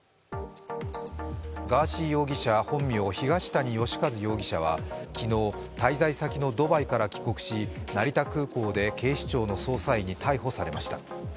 ガーシー容疑者、本名・東谷義和容疑者は、昨日、滞在先のドバイから帰国し成田空港で警視庁の捜査員に逮捕されました。